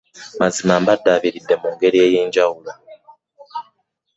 Mazima bandabiridde mu ngeri ey'enjawulo.